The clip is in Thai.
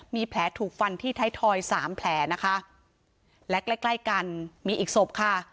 มีแผลถูกฟันที่ไทยทอยสามแผลนะคะและใกล้ใกล้กันมีอีกศพค่ะ